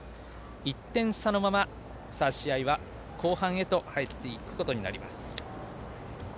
１点差のまま、試合は後半へと入っていくことになります。